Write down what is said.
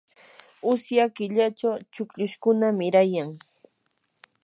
usya killachu chukllushkuna mirayan.